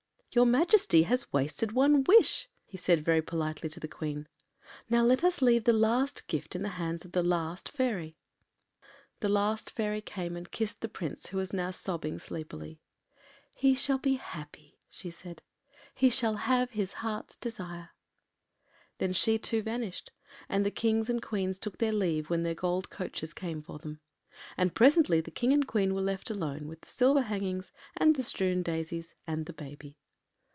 “Your Majesty has wasted one wish,” he said very politely to the Queen; “let us now leave the last gift in the hands of the last fairy.” The last fairy came and kissed the Prince, who was now sobbing sleepily. “He shall be happy,” she said; “he shall have his heart’s desire.” Then she too vanished; and the Kings and Queens took their leave when their gold coaches came for them. And presently the King and Queen were left alone with the silver hangings and the strewn daisies and the baby.